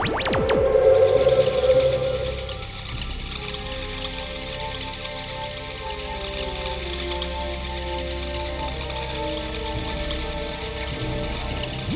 terima kasih dewi kala